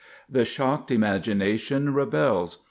The shocked imagination rebels.